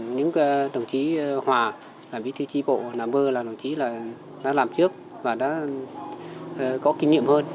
những đồng chí hòa thư trí bộ nà bơ là đồng chí đã làm trước và đã có kinh nghiệm hơn